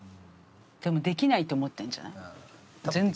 でもできないって思ってるんじゃない？